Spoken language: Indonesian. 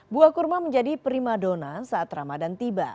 buah kurma menjadi prima dona saat ramadan tiba